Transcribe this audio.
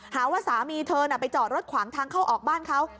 หาว่าสามีเธอน่ะไปจอดรถขวางทางเข้าออกบ้านเขา